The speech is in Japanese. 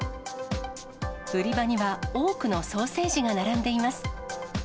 売り場には多くのソーセージが並んでいます。